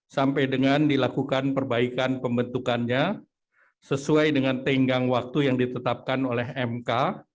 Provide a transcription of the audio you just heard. sampai dengan dilakukan perbaikan pembentukannya sesuai dengan tenggang waktu yang ditetapkan oleh mk